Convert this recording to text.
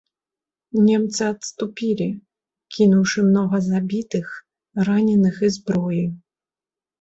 Немцы адступілі, кінуўшы многа забітых, раненых і зброі.